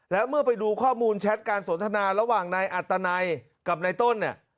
แล้วเมื่อไปดูข้อมูลแชทการสนทนาระหว่างนายอัตนัยกับนายต้นเนี่ย